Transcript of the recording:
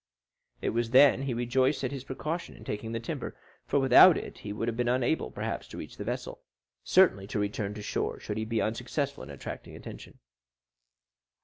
It was then he rejoiced at his precaution in taking the timber, for without it he would have been unable, perhaps, to reach the vessel—certainly to return to shore, should he be unsuccessful in attracting attention.